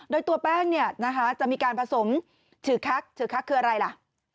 โดยตัวแป้งจะมีการผสมถือคักถือคักคืออะไรล่ะ